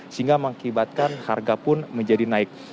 sehingga mengakibatkan harga pun menjadi naik